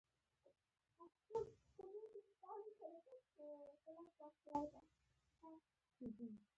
ګربز ډیر ښه لوبغاړی دی